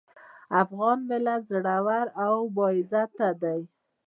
افغان ملت زړور او باعزته دی.